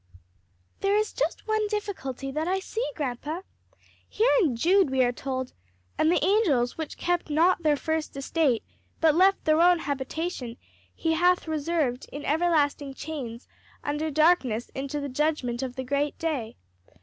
"There is just one difficulty that I see, grandpa. Here in Jude we are told, 'And the Angels which kept not their first estate, but left their own habitation, he hath reserved in everlasting chains under darkness unto the judgment of the great day.'